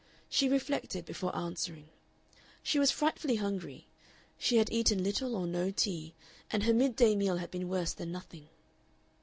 She reflected before answering. She was frightfully hungry. She had eaten little or no tea, and her mid day meal had been worse than nothing.